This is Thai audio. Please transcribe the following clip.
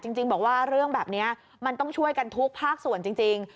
จริงบอกว่าเรื่องแบบนี้มันต้องช่วยกันทุกภาคส่วนจริง